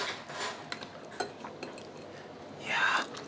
いや。